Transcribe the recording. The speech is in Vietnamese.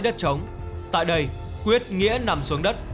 đất trống tại đây quyết nghĩa nằm xuống đất